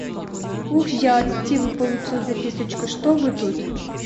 Уж я от Стивы получил записочку, что вы тут.